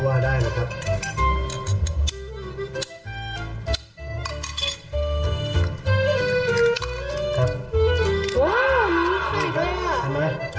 ว้าวมีไข่แจ้ว